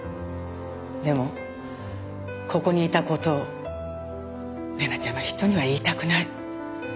でもここにいた事を玲奈ちゃんは人には言いたくない。